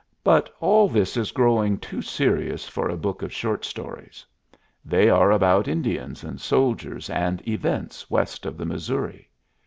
But all this is growing too serious for a book of short stories. They are about Indians and soldiers and events west of the Missouri.